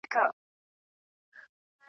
چي مېړه وي هغه تل پر یو قرار وي .